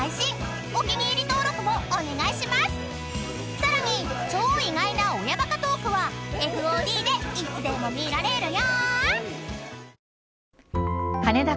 ［さらに超意外な親バカトークはＦＯＤでいつでも見られるよ］